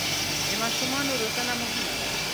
د ماشومانو روزنه مهمه ده.